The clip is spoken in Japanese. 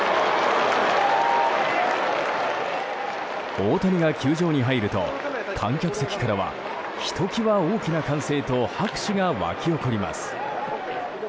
大谷が球場に入ると観客席からはひときわ大きな歓声と拍手が沸き起こります。